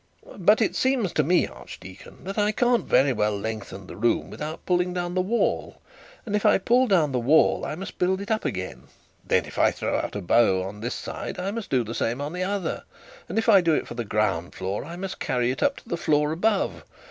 'But it seems to me, archdeacon, that I can't very well lengthen the room without pulling down the wall, and if I pull down the wall, I must build it up again; then if I throw out a bow on this side, I must do the same on the other, then if I do it for the ground floor, I must carry it up to the floor above.